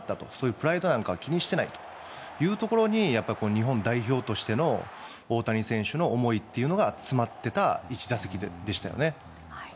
プライドなんか気にしていないというところに日本代表としての大谷選手の思いというのが詰まってた１打席でしたよね。